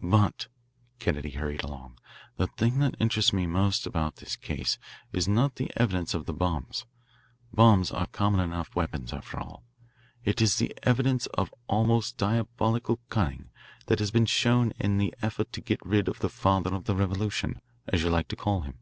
"But," Kennedy hurried along, "the thing that interests me most about this case is not the evidence of the bombs. Bombs are common enough weapons, after all. It is the evidence of almost diabolical cunning that has been shown in the effort to get rid of the father of the revolution, as you like to call him."